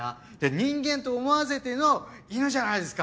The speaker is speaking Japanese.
人間と思わせての「犬じゃないですか」